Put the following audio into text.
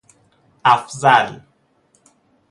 اَفضل